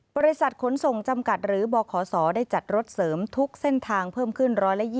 บริษัทขนส่งจำกัดหรือบขศได้จัดรถเสริมทุกเส้นทางเพิ่มขึ้น๑๒๐